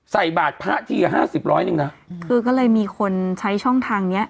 ใส่บาทพระทีห้าสิบร้อยหนึ่งน่ะคือก็เลยมีคนใช้ช่องทางเนี้ย